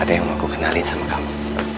ada yang mau aku kenalin sama kamu